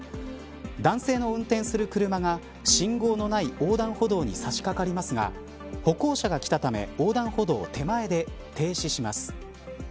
男性の運転する車が信号のない横断歩道に差し掛かりますが歩行者が来たため横断歩道、手前で停止します。